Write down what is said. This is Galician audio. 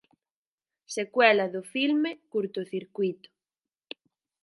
Secuela do filme "Curtocircuíto".